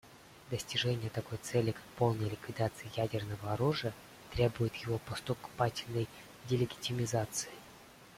Достижение такой цели, как полная ликвидация ядерного оружия, требует его поступательной делигитимизации.